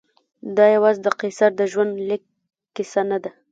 دا یوازې د قیصر د ژوندلیک کیسه نه ده.